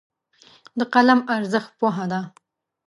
د قلم ارزښت پوهه ده.